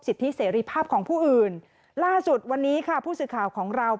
ที่เสรีภาพของผู้อื่นล่าสุดวันนี้ค่ะผู้สื่อข่าวของเรา